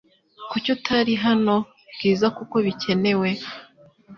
Kuki utari hano, Bwiza kuko bikenewe